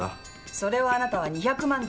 それをあなたは２００万で売った。